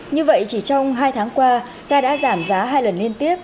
như vậy chỉ trong hai tháng qua ta đã giảm giá hai lần liên tiếp